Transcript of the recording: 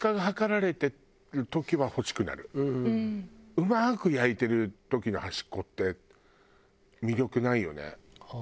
うまく焼いてる時の端っこって魅力ないよね。